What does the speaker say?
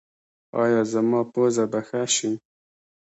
ایا زما پوزه به ښه شي؟